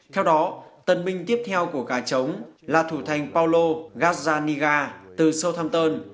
theo đó tần minh tiếp theo của cả chống là thủ thành paulo gazzaniga từ southampton